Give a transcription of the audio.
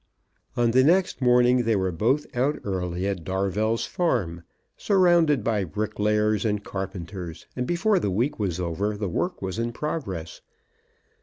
On the next morning they were both out early at Darvell's farm, surrounded by bricklayers and carpenters, and before the week was over the work was in progress.